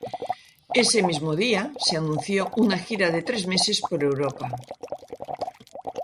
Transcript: Ese mismo día se anunció una gira de tres meses por Europa.